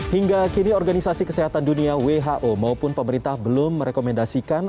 hingga kini organisasi kesehatan dunia who maupun pemerintah belum merekomendasikan